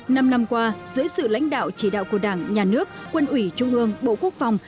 năm năm qua dưới sự lãnh đạo chỉ đạo của đảng nhà nước quân ủy trung ương bộ quốc phòng